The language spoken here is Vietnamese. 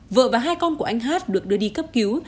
vợ và hai con của anh hát được đưa đi cấp cứu